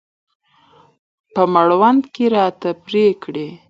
په مړوند کې راته پرې کړي.